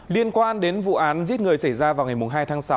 liên quan đến vụ án giết người xảy ra vào ngày hai tháng sáu